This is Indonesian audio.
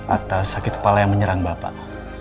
atas sakit kepala yang menyerang bapak